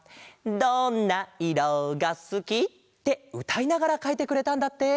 「どんないろがすき」ってうたいながらかいてくれたんだって。